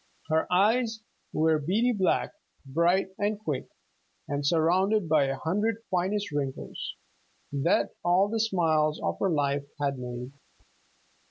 Her eyes were beady black, bright and quick, and surrounded by a hundred finest wrinkles, that all the smiles of her life had made.